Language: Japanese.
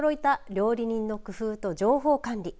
料理人の工夫と情報管理。